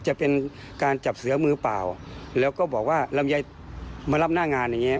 จะเป็นการจับเสือมือเปล่าแล้วก็บอกว่าลำไยมารับหน้างานอย่างเงี้